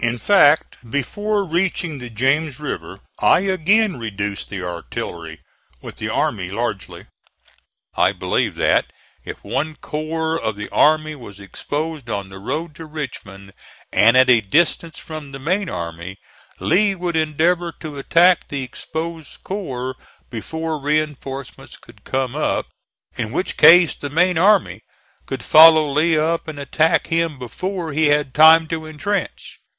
In fact, before reaching the James River I again reduced the artillery with the army largely. I believed that, if one corps of the army was exposed on the road to Richmond, and at a distance from the main army, Lee would endeavor to attack the exposed corps before reinforcements could come up; in which case the main army could follow Lee up and attack him before he had time to intrench.